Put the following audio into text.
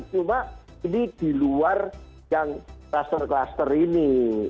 cuma ini di luar yang cluster cluster ini